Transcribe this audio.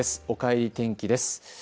おかえり天気です。